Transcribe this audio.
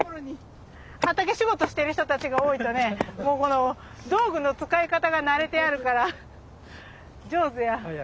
畑仕事してる人たちが多いとね道具の使い方が慣れてあるから上手や。